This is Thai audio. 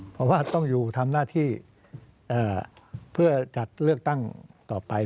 เพราะว่าต้องอยู่ทำหน้าที่เพื่อจัดเลือกตั้งต่อไป